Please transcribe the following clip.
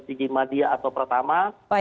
tinggi madya atau pertama